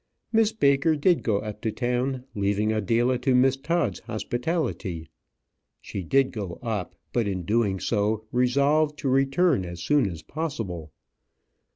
Miss Baker did go up to town, leaving Adela to Miss Todd's hospitality. She did go up, but in doing so resolved to return as soon as possible.